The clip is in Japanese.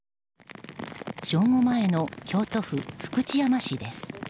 正午前の京都府福知山市です。